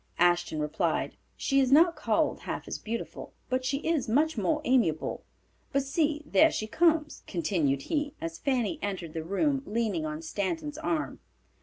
Ashton replied, "She is not called half as beautiful, but she is much more amiable; but see there she comes," continued he, as Fanny entered the room leaning on Stanton's arm.